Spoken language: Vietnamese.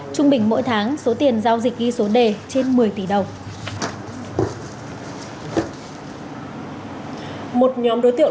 trung bình mỗi tháng số tiền giao dịch ghi số đề trên một mươi tỷ đồng